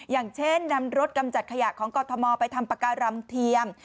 อย่างเช่นนำรถกำจัดขยะของกรทมไปทำปากการังเทียม